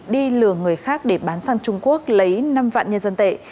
đi lừa người khác để bán săn trung quốc lấy năm vạn nhân dân tệ